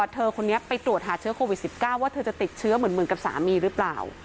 เธอคนนี้ไปตรวจหาเชื้อโควิด๑๙ว่าเธอจะติดเชื้อเหมือนกับสามีหรือเปล่า